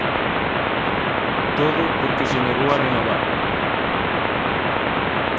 Todo porque se negou a renovar.